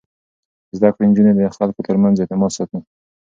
زده کړې نجونې د خلکو ترمنځ اعتماد ساتي.